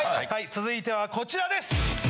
続いてはこちらです！